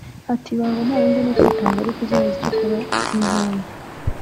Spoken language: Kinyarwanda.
ati “Ibanga nta rindi ni ukwitanga ariko uzi neza icyo ukora n’impamvu